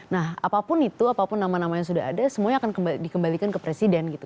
nah apapun itu apapun nama nama yang sudah ada semuanya akan dikembalikan ke presiden gitu